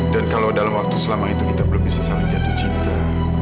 dan kalau dalam waktu selama itu kita belum bisa saling jatuh cinta